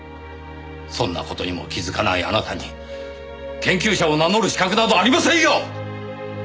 そんな事にも気づかないあなたに研究者を名乗る資格などありませんよ！